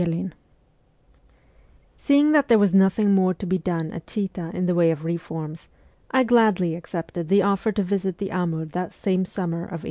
IV SEEING that there was nothing more to be done at Chita in the way of reforms, I gladly accepted the offer to visit the Amur that same summer of 1863.